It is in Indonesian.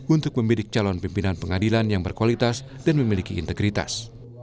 untuk membidik calon pimpinan pengadilan yang berkualitas dan memiliki integritas